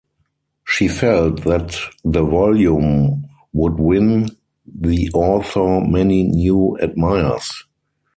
She felt that the volume would win the author many new admirers.